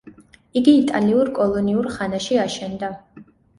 იგი იტალიურ კოლონიურ ხანაში აშენდა.